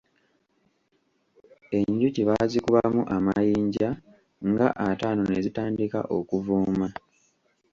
Enjuki baazikubamu amayinja nga ataano ne zitandika okuvuuma.